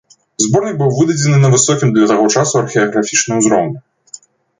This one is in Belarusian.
Зборнік быў выдадзены на высокім для таго часу археаграфічным узроўні.